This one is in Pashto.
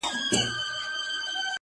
• چي ژوندی یم زما به یاد يې میرهاشمه,